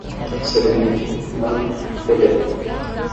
Segundo filho fumando, bebendo